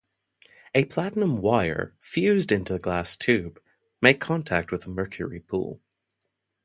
A platinum wire, fused into the glass tube, made contact with the mercury pool.